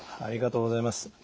ありがとうございます。